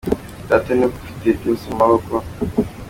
Data ni we ufite byose mu maboko.